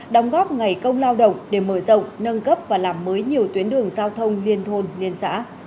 đóng góp ngày công lao động để mở rộng nâng cấp và làm mới nhiều tuyến đường giao thông liên thôn liên xã